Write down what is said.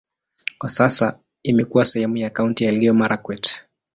Kwa sasa imekuwa sehemu ya kaunti ya Elgeyo-Marakwet.